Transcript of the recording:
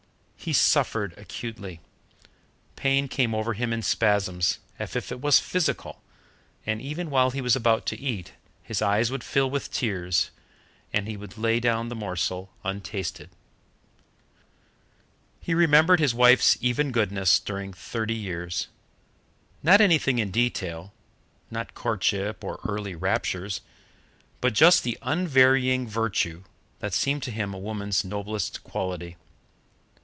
He suffered acutely. Pain came over him in spasms, as if it was physical, and even while he was about to eat, his eyes would fill with tears, and he would lay down the morsel untasted. He remembered his wife's even goodness during thirty years. Not anything in detail not courtship or early raptures but just the unvarying virtue, that seemed to him a woman's noblest quality.